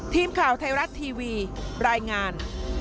ทีมข่าวไทยรัฐทีวีรายงาน